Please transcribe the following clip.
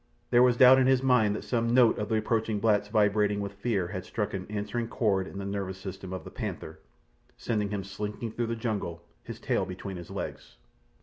There was doubt in his mind that some note of the approaching blacks vibrating with fear had struck an answering chord in the nervous system of the panther, sending him slinking through the jungle, his tail between his legs.